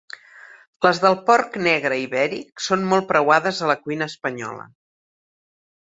Les del porc negre ibèric són molt preuades a la cuina espanyola.